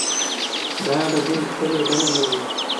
دا ډبرې ښکلې بڼه لري.